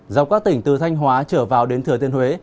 dọc các tỉnh từ thanh hóa trở vào đến thừa tiên huế